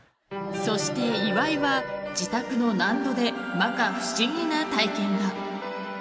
そして岩井は自宅の納戸で摩訶不思議な体験が。